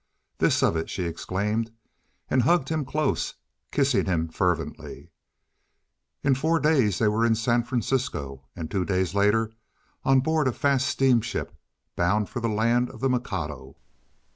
"This of it," she exclaimed, and hugged him close, kissing him fervently. In four days they were in San Francisco, and two days later on board a fast steamship bound for the land of the Mikado.